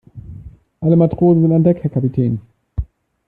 Alle Matrosen sind an Deck, Herr Kapitän.